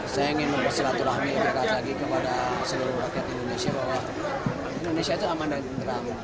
saya ingin mempersilatulahmi kepada seluruh rakyat indonesia bahwa indonesia itu aman dan keteram